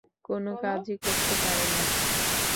কোনো কাজই করতে পারে না।